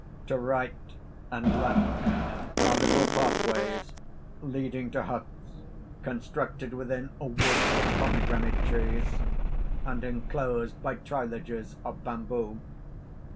To right and left are little pathways leading to huts constructed within a wood of pomegranate trees, and enclosed by treillages of bamboo.